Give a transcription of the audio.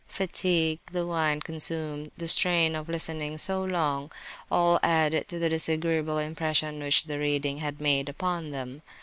Fatigue, the wine consumed, the strain of listening so long, all added to the disagreeable impression which the reading had made upon them.